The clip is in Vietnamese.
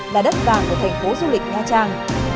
là đất vàng của thành phố du lịch nha trang